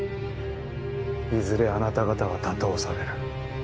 いずれあなた方は打倒される。